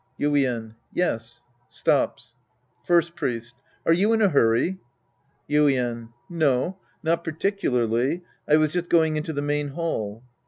Yuien. Yes. {Stops.) First Priest. Are you in a hurry ? Yuien. No. Not particularly. I was just going into the main hall.